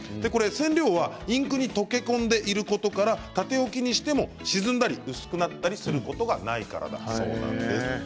染料はインクに溶け込んでいることから縦置きにしても沈んだり薄くなったりすることはないからだそうです。